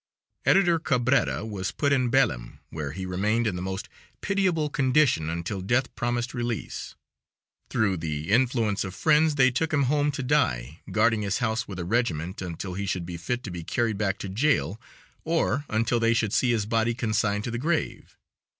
Editor Cabrera was put in Belem, where he remained in the most pitiable condition until death promised release; through the influence of friends they took him home to die, guarding his house with a regiment until he should be fit to be carried back to jail or until they should see his body consigned to the grave.